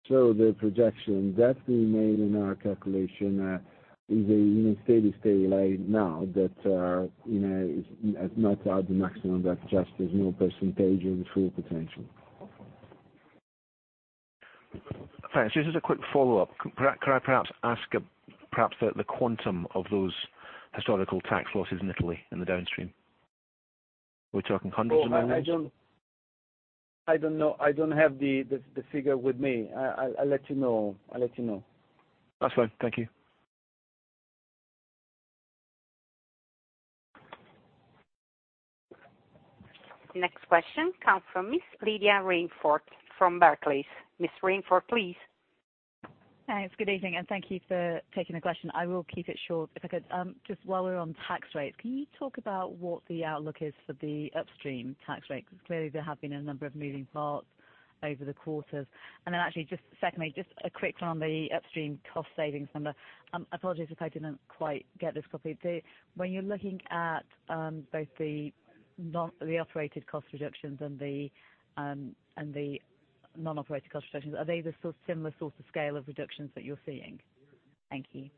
The projection that we made in our calculation is a steady state like now, that it's not at the maximum, that just is no percentage of the full potential. Thanks. Just as a quick follow-up, could I perhaps ask the quantum of those historical tax losses in Italy, in the downstream? We're talking hundreds of millions? I don't have the figure with me. I'll let you know. That's fine. Thank you. Next question comes from Ms. Lydia Rainforth from Barclays. Ms. Rainforth, please. Thanks. Good evening, thank you for taking the question. I will keep it short if I could. Just while we're on tax rates, can you talk about what the outlook is for the upstream tax rates? Clearly there have been a number of moving parts over the quarters. Actually, just secondly, just a quick one on the upstream cost savings number. Apologies if I didn't quite get this completely. When you're looking at both the operated cost reductions and the non-operating cost reductions, are they the similar sort of scale of reductions that you're seeing? Thank you.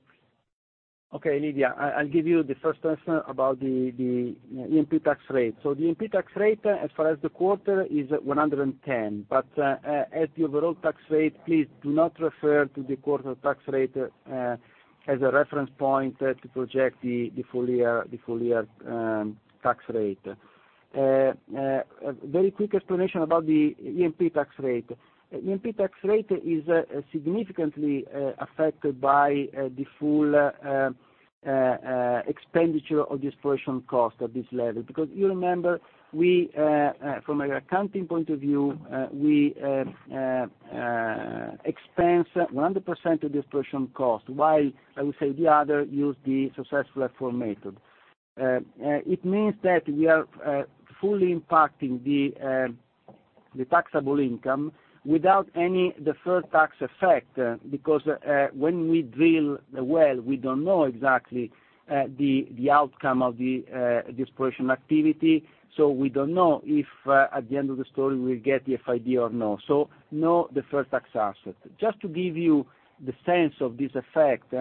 Okay, Lydia, I'll give you the first answer about the E&P tax rate. The E&P tax rate as far as the quarter is 110. As the overall tax rate, please do not refer to the quarter tax rate as a reference point to project the full year tax rate. A very quick explanation about the E&P tax rate. E&P tax rate is significantly affected by the full expenditure or exploration cost at this level. You remember, from an accounting point of view, we expense 100% of exploration cost while I would say the other use the successful efforts method. It means that we are fully impacting the taxable income without any deferred tax effect because when we drill the well, we don't know exactly the outcome of the exploration activity. We don't know if at the end of the story, we'll get the FID or no. No deferred tax asset. Just to give you the sense of this effect,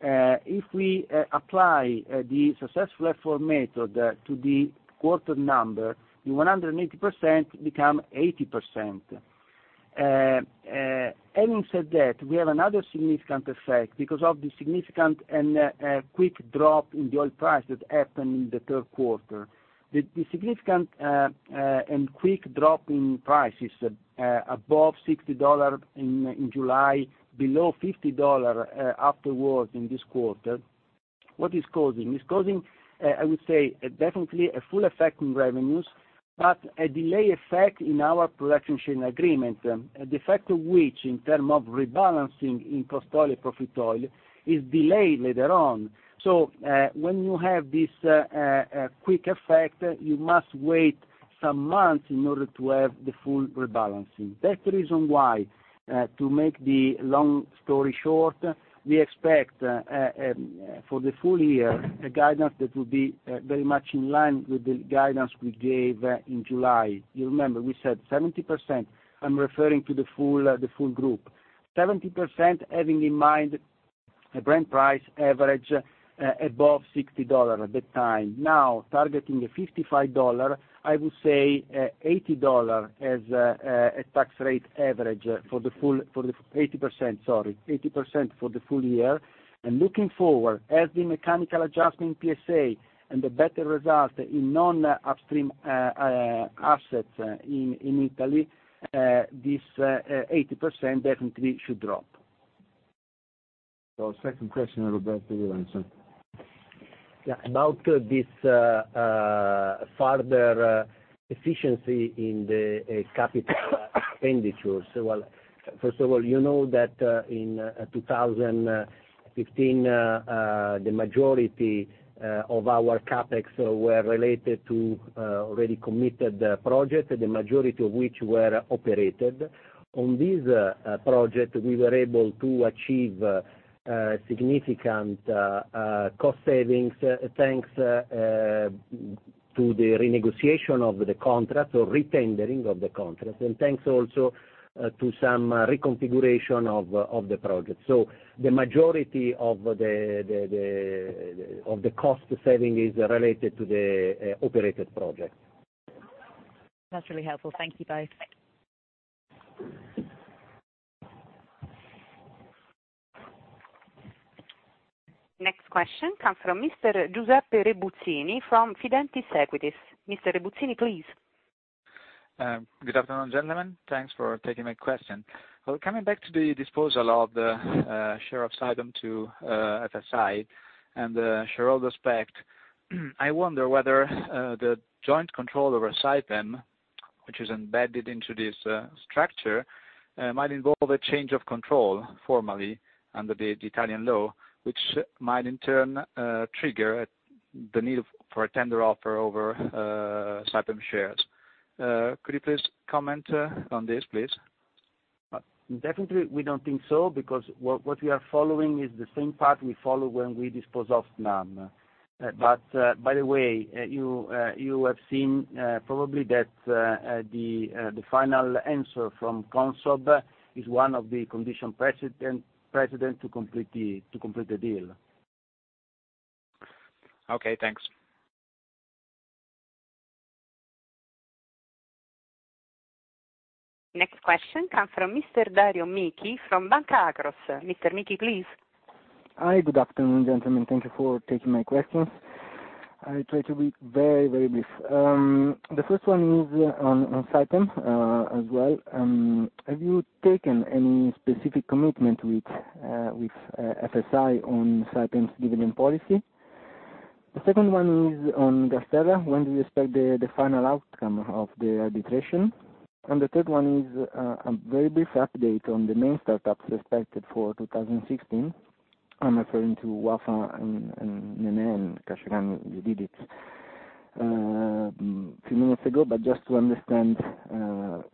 if we apply the successful efforts method to the quarter number, the 180% become 80%. Having said that, we have another significant effect because of the significant and quick drop in the oil price that happened in the third quarter. The significant and quick drop in price is above $60 in July, below $50 afterwards in this quarter. What is causing? It's causing, I would say, definitely a full effect in revenues, but a delay effect in our production sharing agreement. The effect of which, in term of rebalancing in cost oil, profit oil, is delayed later on. When you have this quick effect, you must wait some months in order to have the full rebalancing. That's the reason why, to make the long story short, we expect for the full year, a guidance that will be very much in line with the guidance we gave in July. You remember we said 70%, I'm referring to the full group. 70% having in mind a Brent price average above $60 at the time. Now targeting the $55, I would say 80% as a tax rate average, 80% for the full year. Looking forward, as the mechanical adjustment PSA and the better result in non-upstream assets in Italy, this 80% definitely should drop. Second question, Roberto Casula. About this further efficiency in the capital expenditures. First of all, you know that in 2015, the majority of our CapEx were related to already committed project, the majority of which were operated. On this project, we were able to achieve significant cost savings, thanks to the renegotiation of the contract or retendering of the contract, and thanks also to some reconfiguration of the project. The majority of the cost saving is related to the operated project. That's really helpful. Thank you both. Next question comes from Mr. Giuseppe Rebutini from Fidentiis Equities. Mr. Rebutini, please. Good afternoon, gentlemen. Thanks for taking my question. Well, coming back to the disposal of the share of Saipem to FSI and the shareholder's pact, I wonder whether the joint control over Saipem, which is embedded into this structure, might involve a change of control formally under the Italian law, which might in turn trigger the need for a tender offer over Saipem shares. Could you please comment on this, please? Definitely, we don't think so because what we are following is the same path we followed when we disposed of Snam. By the way, you have seen probably that the final answer from CONSOB is one of the condition precedent to complete the deal. Okay, thanks. Next question comes from Mr. Dario Michi from Banca Akros. Mr. Michi, please. Hi, good afternoon, gentlemen. Thank you for taking my questions. I try to be very, very brief. The first one is on Saipem as well. Have you taken any specific commitment with FSI on Saipem's dividend policy? The second one is on GasTerra. When do you expect the final outcome of the arbitration? The third one is a very brief update on the main startups expected for 2016. I am referring to Wafa and Nenè and Kashagan. You did it few minutes ago, but just to understand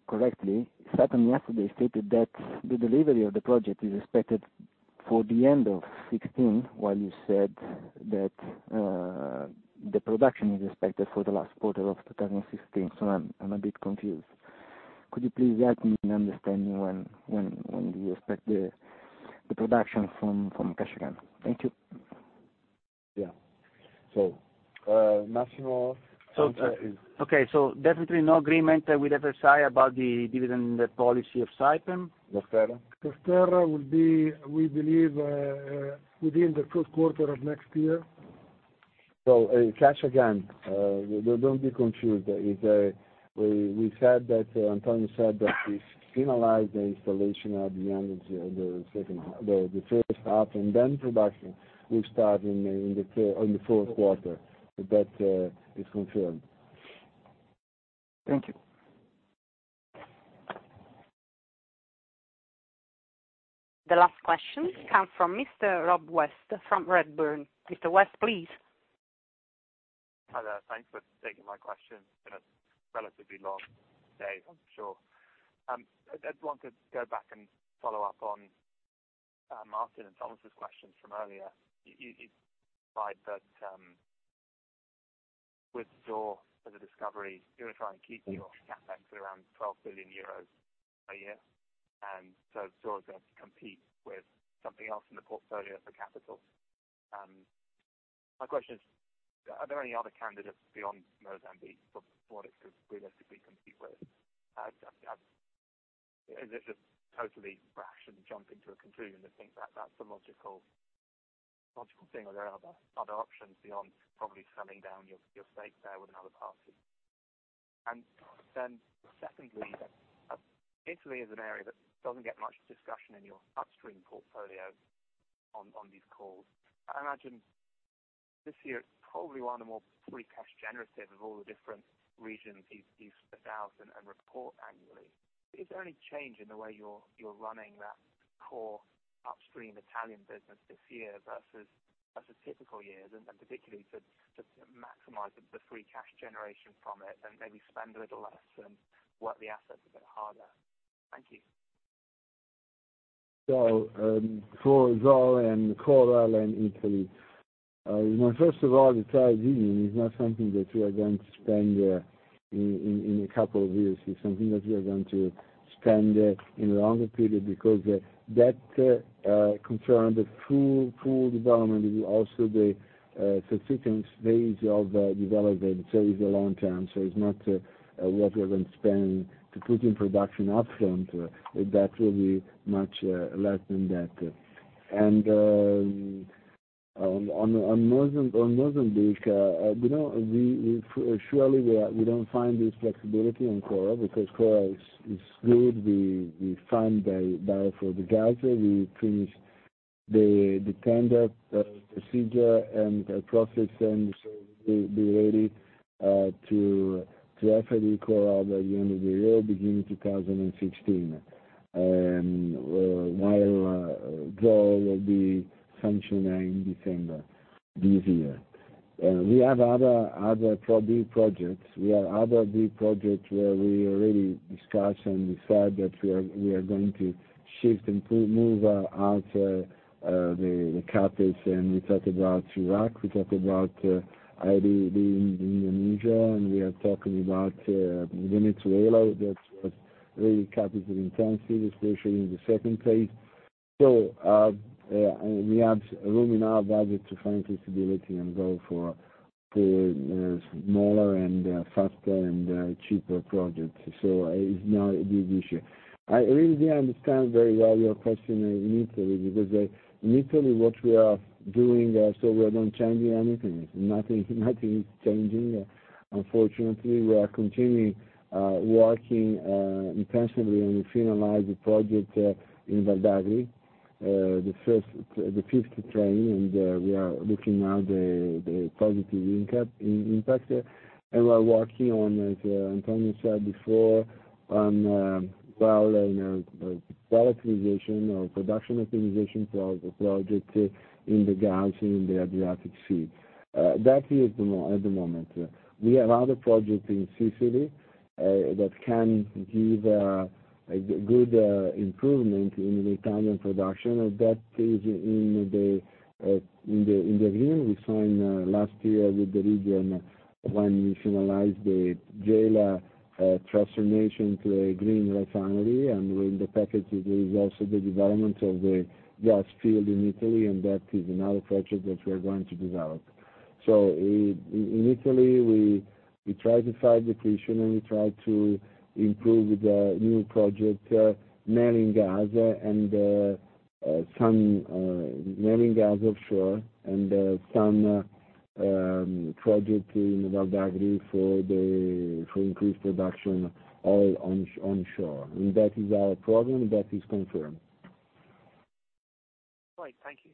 correctly, Satom yesterday stated that the delivery of the project is expected for the end of 2016, while you said that the production is expected for the last quarter of 2016. I am a bit confused. Could you please help me in understanding when do you expect the production from Kashagan? Thank you. Yeah. Massimo- Okay, definitely no agreement with FSI about the dividend policy of Saipem? Nostera? GasTerra, we believe within the first quarter of next year. Kashagan. Don't be confused. Antonio said that we finalize the installation at the end of the first half, and then production will start in the fourth quarter. That is confirmed. Thank you. The last question comes from Mr. Rob West, from Redburn. Mr. West, please. Hi there. Thanks for taking my question. Been a relatively long day, I'm sure. I just wanted to go back and follow up on Martin and Thomas' questions from earlier. You replied that with Zohr as a discovery, you're going to try and keep your CapEx at around 12 billion euros a year, Zohr is going to have to compete with something else in the portfolio for capital. My question is, are there any other candidates beyond Mozambique for what it could realistically compete with? Is it just totally rash and jumping to a conclusion to think that's the logical thing, or are there other options beyond probably selling down your stake there with another party? Secondly, Italy is an area that doesn't get much discussion in your upstream portfolio on these calls. I imagine this year it's probably one of the more free cash generative of all the different regions you spit out and report annually. Is there any change in the way you're running that core upstream Italian business this year versus typical years, and particularly to maximize the free cash generation from it, and maybe spend a little less and work the assets a bit harder? Thank you. For Zohr and Coral and Italy. First of all, the EUR 3.5 billion is not something that we are going to spend in a 2 years. It's something that we are going to spend in a longer period, because that concern, the full development is also the subsequent stage of development. It is a long term. It's not what we are going to spend to put in production upfront. That will be much less than that. On Mozambique, surely we don't find this flexibility on Coral, because Coral is good. We signed there for the gas. We finished the tender procedure and process, we will be ready to FLNG Coral at the end of the year, beginning 2016. While Zohr will be functioning in December this year. We have other big projects. We have other big projects where we already discussed and decided that we are going to shift and move out the capitals, we talk about Iraq, we talk about Indonesia, we are talking about Venezuela, that was very capital intensive, especially in the second phase. We have room in our budget to find flexibility and go for smaller, faster, and cheaper projects. It's not a big issue. I really didn't understand very well your question on Italy, because Italy, what we are doing, we are not changing anything. Nothing is changing. Unfortunately, we are continuing working intensively, and we finalize the project in Val d'Agri, the fifth train, and we are looking now the positive impact. We are working on, as Antonio said before, on well optimization or production optimization for other projects in the gas in the Adriatic Sea. That is at the moment. We have other projects in Sicily that can give a good improvement in the Italian production, that is in the view we signed last year with the region, when we finalized the Gela transformation to a green refinery, in the package, there is also the development of the gas field in Italy, that is another project that we are going to develop. In Italy, we try to fight depletion, we try to improve the new project, Mare gas offshore, and some project in Val d'Agri for increased production, all onshore. That is our program. That is confirmed. Right. Thank you.